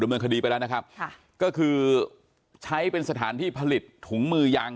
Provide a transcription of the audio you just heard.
เนินคดีไปแล้วนะครับค่ะก็คือใช้เป็นสถานที่ผลิตถุงมือยาง